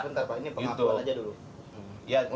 sebentar pak ini pengakuan aja dulu